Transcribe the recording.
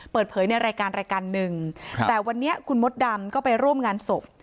ในรายการรายการหนึ่งแต่วันนี้คุณมดดำก็ไปร่วมงานศพ